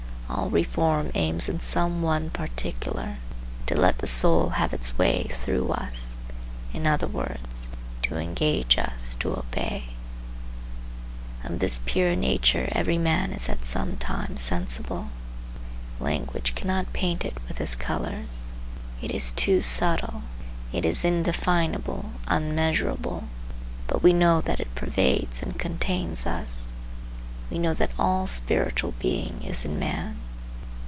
All reform aims in some one particular to let the soul have its way through us; in other words, to engage us to obey. Of this pure nature every man is at some time sensible. Language cannot paint it with his colors. It is too subtile. It is undefinable, unmeasurable; but we know that it pervades and contains us. We know that all spiritual being is in man.